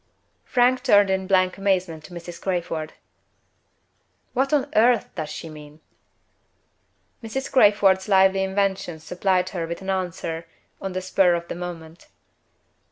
Frank turned in blank amazement to Mrs. Crayford. "What on earth does she mean?" Mrs. Crayford's lively invention supplied her with an answer on the spur of the moment.